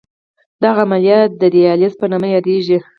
دغه عملیه د دیالیز په نامه یادېږي.